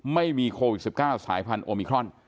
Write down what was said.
ไม่มีโควิด๑๙สายพันธุมิครอน